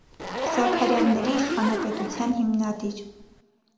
Զաքարյանների իշխանապետության հիմնադիր։